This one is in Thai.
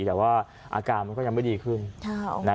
แต่ว่าอาการมันก็ยังไม่ดีขึ้น